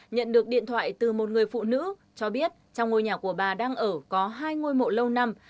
nhận được điện thoại từ một người phụ nữ cho biết trong ngôi nhà của bà đang ở có hai ngôi mộ lâu năm